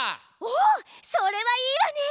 おそれはいいわね。